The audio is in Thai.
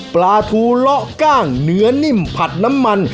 ปลาทูเลาะกล้างเนื้อนิ่มผัดน้ำมัน